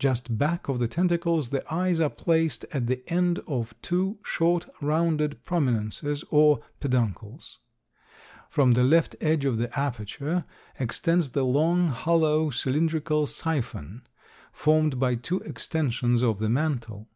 Just back of the tentacles the eyes are placed at the end of two short, rounded prominences or peduncles. From the left edge of the aperture extends the long, hollow, cylindrical siphon formed by two extensions of the mantle.